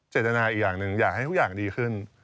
เจตนาอีกอย่างหนึ่งอยากให้ทุกอย่างดีขึ้น